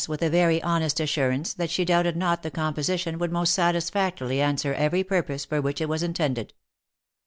with a very honest assurance that she doubted not the composition would most satisfactorily answer every purpose for which it was in tended.